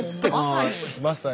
まさに。